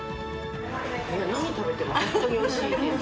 何を食べても本当においしい。